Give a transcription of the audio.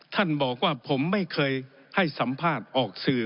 ท่านบอกว่าผมไม่เคยให้สัมภาษณ์ออกสื่อ